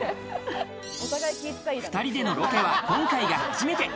２人でのロケは今回が初めて。